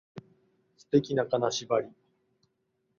素敵な金縛り